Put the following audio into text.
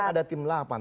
itu kan ada tim lapan